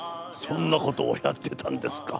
そんなことをやってたんですか？